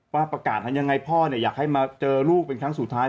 ว่าประกาศทางยังไงพ่ออยากให้มาเจอลูกเป็นครั้งสุดท้าย